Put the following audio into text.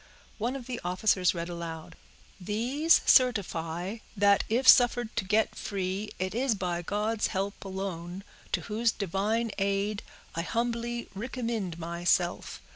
One of the officers read aloud: "_These certify, that if suffered to get free, it is by God's help alone, to whose divine aid I humbly riccommind myself.